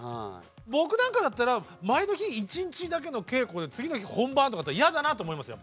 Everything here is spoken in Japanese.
僕なんかだったら前の日１日だけの稽古で次の日本番だったら嫌だなと思いますよ